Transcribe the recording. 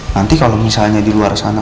nanti kalau misalnya di luar sana